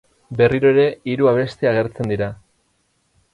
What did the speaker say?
Berriro ere hiru abesti agertzen dira.